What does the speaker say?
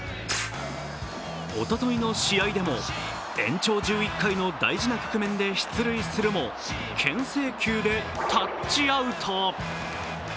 おとといの試合でも延長１１回の大事な局面で出塁するも牽制球でタッチアウト。